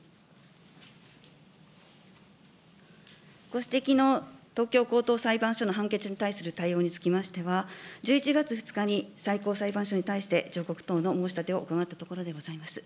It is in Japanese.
ご指摘の東京高等裁判所の判決に対する対応につきましては、１１月２日に最高裁判所に対して、上告等の申し立てを行ったところでございます。